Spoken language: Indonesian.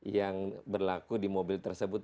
yang berlaku di mobil tersebut